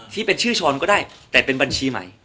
ที่เป็นชื่อช้อนก็ได้แต่เป็นบัญชีใหม่